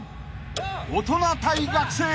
［大人対学生］